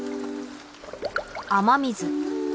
雨水。